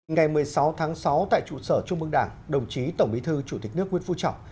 ngày một mươi sáu tháng sáu tại trụ sở trung mương đảng đồng chí tổng bí thư chủ tịch nước nguyễn phú trọng